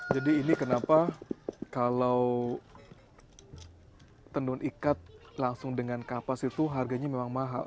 jadi ini kenapa kalau tendun ikat langsung dengan kapas itu harganya memang mahal